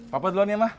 papa duluan ya mah